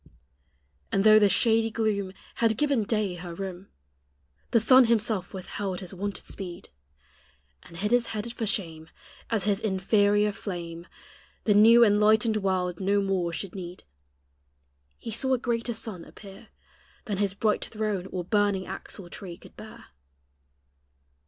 And though the shady gloom Had given day her room, The sun himself withheld his wonted speed, And hid his head for shame, As his inferior flame The new enlightened world no more should need; He saw a greater sun appear Than his bright throne or burning axle tree could bear.